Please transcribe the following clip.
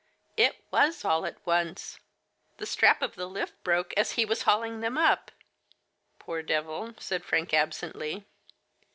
*^ It was all at once. The strap of the lift broke as he was hauling them up !"" Poor devil !" said Frank absently.